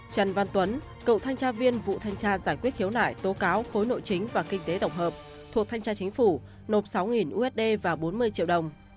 trần văn tuấn cựu thanh tra viên vụ thanh tra giải quyết khiếu nại tố cáo khối nội chính và kinh tế tổng hợp thuộc thanh tra chính phủ nộp sáu usd và bốn mươi triệu đồng